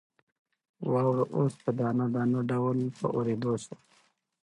واوره اوس په دانه دانه ډول په اورېدو شوه.